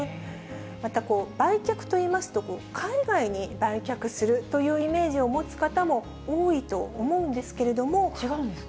また、売却といいますと、海外に売却するというイメージを持つ方も多いと思うんですけれど違うんですか。